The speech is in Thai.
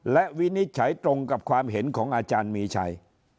และวินิจฉัยตรงกับความเห็นของอาจารย์มีชัย